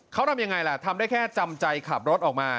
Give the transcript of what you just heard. เขาทำยังไงล่ะทำได้แค่จำใจขับรถออกมา